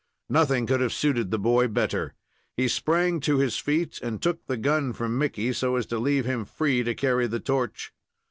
Nothing could have suited the boy better. He sprang to his feet and took the gun from Mickey, so as to leave him free to carry the torch.